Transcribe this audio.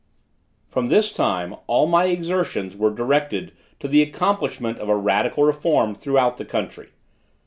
From this time all my exertions were directed to the accomplishment of a radical reform throughout the country.